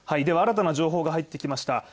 では新たな情報が入ってきました。